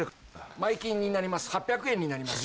前金になります８００円になります。